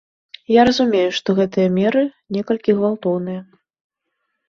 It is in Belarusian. Я разумею, што гэтыя меры некалькі гвалтоўныя.